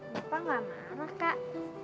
bapak gak marah kak